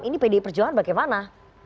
ini pdi perjuangan bagaimana